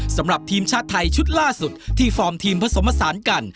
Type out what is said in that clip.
สำหรับทีมชาติไทยชุดล่าสุดที่ฟอร์มทีมผสมผสานกัน